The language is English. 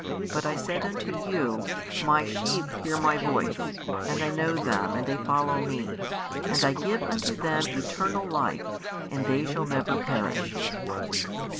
But as I said unto you, My sheep hear My voice, and I know them and they follow Me: and I give unto them eternal life, and they shall never perish.